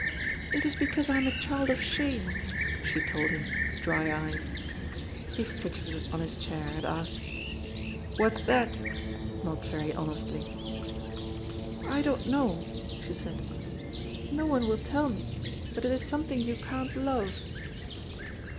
"It is because I am a child of shame," she told him, dry eyed. He fidgeted on his chair, and asked, "What's that?" not very honestly. "I don't know," she said, "no one will tell me, but it is something you can't love."